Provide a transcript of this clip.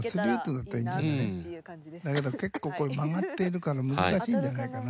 だけど結構これ曲がっているから難しいんじゃないかな。